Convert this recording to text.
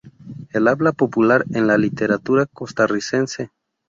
El habla popular en la literatura costarricense.